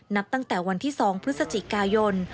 นับตั้งแต่วันที่๒พฤศจิกายน